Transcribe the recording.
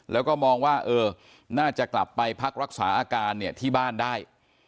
แล้วก็มองว่าเออน่าจะกลับไปพักรักษาอาการเนี่ยที่บ้านได้